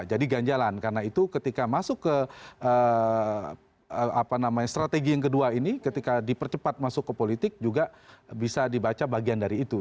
jadi ganjalan karena itu ketika masuk ke apa namanya strategi yang kedua ini ketika dipercepat masuk ke politik juga bisa dibaca bagian dari itu